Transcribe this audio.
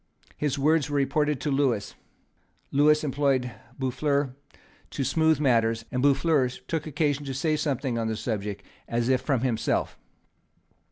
His words were reported to Lewis. Lewis employed Boufflers to smooth matters; and Boufflers took occasion to say something on the subject as if from himself.